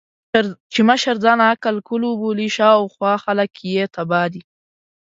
چې مشر ځان عقل کُل وبولي، شا او خوا خلګ يې تباه دي.